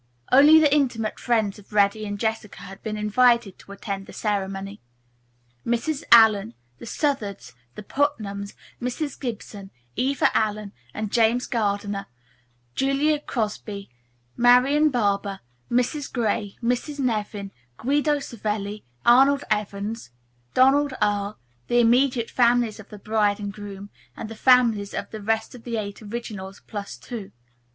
Only the intimate friends of Reddy and Jessica had been invited to attend the ceremony, Mrs. Allison, the Southards, the Putnams, Mrs. Gibson, Eva Allen and James Gardner, Julia Crosby, Marian Barber, Mrs. Gray, Miss Nevin, Guido Savelli, Arnold Evans, Donald Earle, the immediate families of the bride and groom and the families of the rest of the Eight Originals Plus Two.